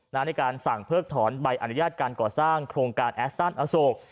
ในการสั่งเพิกถอนใบอนุญาตการก่อสร้างโครงการแอสตันอโศก